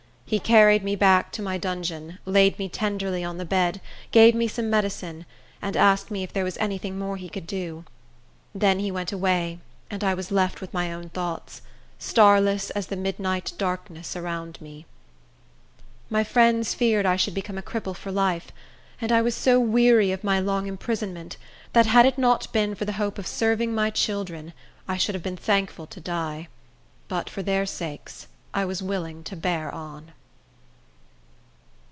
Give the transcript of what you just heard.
He carried me back to my dungeon, laid me tenderly on the bed, gave me some medicine, and asked me if there was any thing more he could do. Then he went away, and I was left with my own thoughts—starless as the midnight darkness around me. My friends feared I should become a cripple for life; and I was so weary of my long imprisonment that, had it not been for the hope of serving my children, I should have been thankful to die; but, for their sakes, I was willing to bear on.